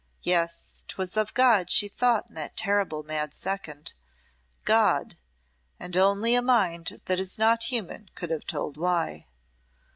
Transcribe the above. Yes, 'twas of God she thought in that terrible mad second God! and only a mind that is not human could have told why.